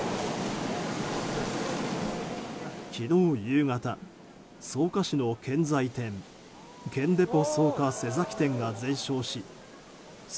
昨日夕方、草加市の建材店建デポ草加瀬崎店が全焼し１８６７